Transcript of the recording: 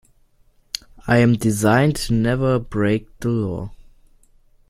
I am designed to never break the law.